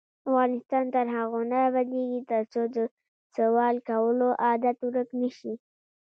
افغانستان تر هغو نه ابادیږي، ترڅو د سوال کولو عادت ورک نشي.